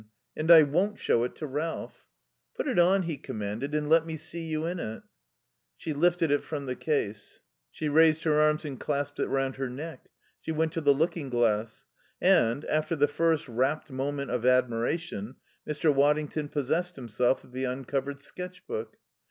And I won't show it to Ralph." "Put it on," he commanded, "and let me see you in it." She lifted it from the case. She raised her arms and clasped it round her neck; she went to the looking glass. And, after the first rapt moment of admiration, Mr. Waddington possessed himself of the uncovered sketch book.